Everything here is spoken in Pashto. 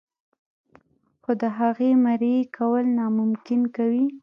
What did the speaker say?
خو د هغه مريي کول ناممکن کوي.